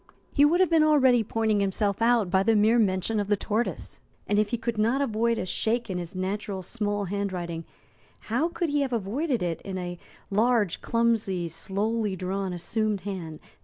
He would have been already pointing himself out by the mere mention of the tortoise. And, if he could not avoid a shake in his natural, small handwriting, how could he have avoided it in a large, clumsy, slowly drawn, assumed hand?